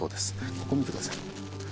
ここ見てください。